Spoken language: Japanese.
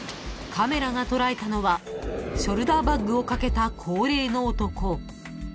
［カメラが捉えたのはショルダーバッグをかけた高齢の男］